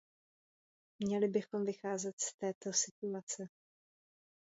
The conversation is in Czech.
Měli bychom vycházet z této situace.